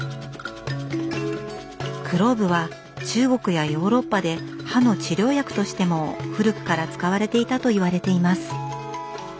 クローブは中国やヨーロッパで歯の治療薬としても古くから使われていたといわれています。